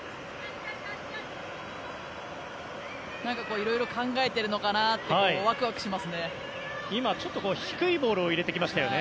いろいろ考えてるのかなってワクワクしますね。